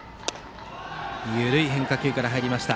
緩い変化球から入りました。